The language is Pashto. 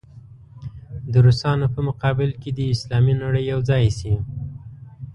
د روسانو په مقابل کې دې اسلامي نړۍ یو ځای شي.